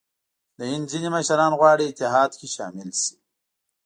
د هند ځیني مشران غواړي اتحاد کې شامل شي.